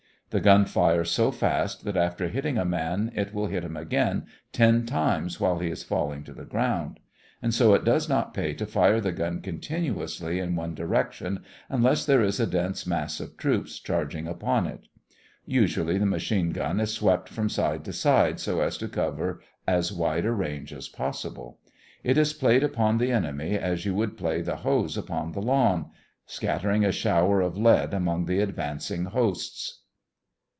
The gun fires so fast that after hitting a man it will hit him again ten times while he is falling to the ground. And so it does not pay to fire the gun continuously in one direction, unless there is a dense mass of troops charging upon it. Usually the machine gun is swept from side to side so as to cover as wide a range as possible. It is played upon the enemy as you would play the hose upon the lawn, scattering a shower of lead among the advancing hosts.